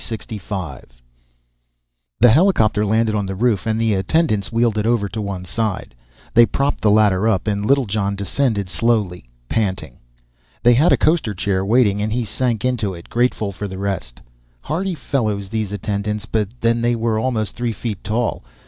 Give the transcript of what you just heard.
Littlejohn 2065 The helicopter landed on the roof, and the attendants wheeled it over to one side. They propped the ladder up, and Littlejohn descended slowly, panting. They had a coasterchair waiting and he sank into it, grateful for the rest. Hardy fellows, these attendants, but then they were almost three feet tall.